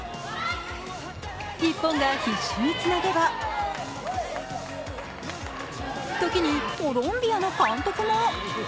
日本が必死につなげば、時に、コロンビアの監督も。